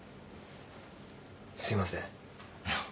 すいません。